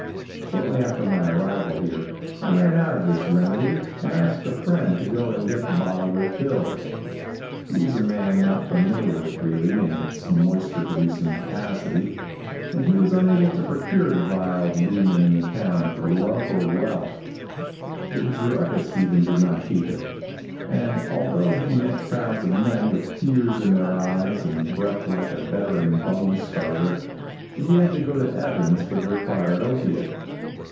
Shortly after my arrival here I ran out of this remedy and asked a friend to go and get the bottle refilled. He was a man not familiar with Greeley in its moisture producing capacity, and he was unable to procure the vile demon in the town for love or wealth. The druggist even did not keep it, and although he met crowds of men with tears in their eyes and breath like a veteran bung starter, he had to go to Evans for the required opiate.